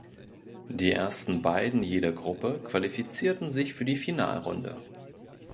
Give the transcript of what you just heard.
Die ersten Beiden jeder Gruppe qualifizierten sich für die Finalrunde.